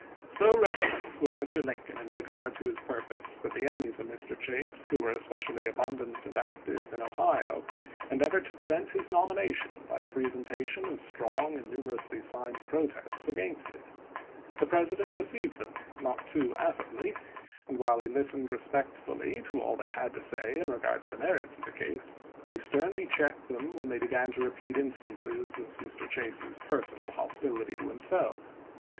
So reticent was Mr. Lincoln in regard to his pur pose that the enemies of Mr. Chase, who were es pecially abundant and active in Ohio, endeavored to prevent his nomination by the presentation of strong and numerously signed protests against it. The President received them not too affably, and while he listened respectfully to all they had to say in regard to the merits of the case, he sternly checked them when they began to repeat instances of Mr. Chase's personal hostility to himself.